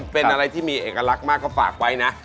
เป็นอะไรที่มีเอกลักษณ์มากก็ฝากไว้นะ